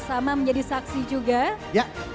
sama menjadi saksi juga